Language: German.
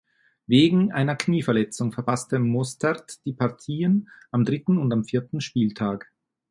Wegen einer Knieverletzung verpasste Mostert die Partien am dritten und am vierten Spieltag.